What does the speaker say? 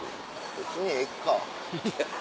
別にえっか。